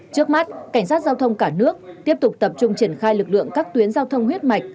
trước mắt cảnh sát giao thông cả nước tiếp tục tập trung triển khai lực lượng các tuyến giao thông huyết mạch